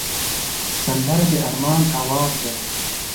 سندره د ارمان آواز دی